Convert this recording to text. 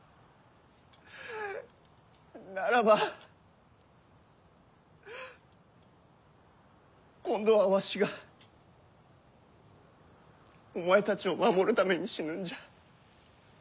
ならば今度はわしがお前たちを守るために死ぬんじゃ。